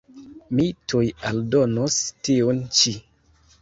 Mi tuj aldonos tiun ĉi.